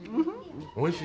おいしい。